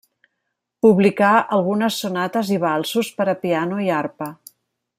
Publicà algunes sonates i valsos per a piano i arpa.